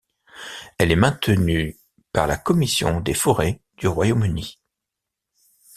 Elle est maintenue par la Commission des forêts du Royaume-Uni.